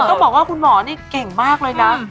ต้องบอกว่าคุณหมอนี่เก่งมากเลยนะ